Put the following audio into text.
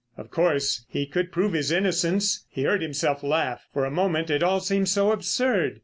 Of course, he could prove his innocence—he heard himself laugh. For a moment it all seemed so absurd.